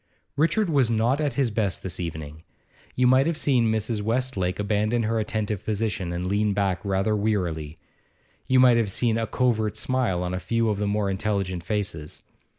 Richard was not at his best this evening. You might have seen Mrs. Westlake abandon her attentive position, and lean back rather wearily; you might have seen a covert smile on a few of the more intelligent faces.